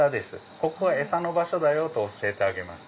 ここが餌の場所だよ！と教えてあげます。